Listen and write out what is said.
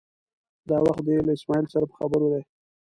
دا وخت دی له اسمعیل سره په خبرو دی.